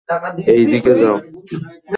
এই দিকে যাও।